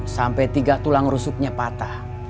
sampai tiga tulang rusuknya patah